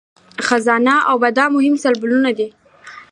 خزانه او باد مهم سمبولونه دي.